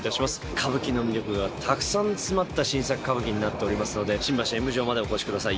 歌舞伎の魅力がたくさん詰まった新作歌舞伎になっておりますので新橋演舞場までお越しください。